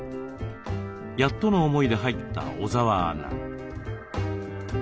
やっとの思いで入った小澤アナ。